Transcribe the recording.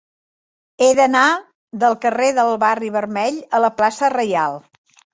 He d'anar del carrer del Barri Vermell a la plaça Reial.